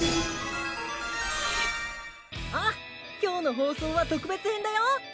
あっ今日の放送は特別編だよ。